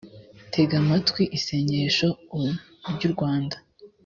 tega amatwi isengesho u ry u rwanda